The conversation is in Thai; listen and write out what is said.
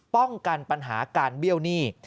ป้องกันปัญหาการเบี้ยวหนี้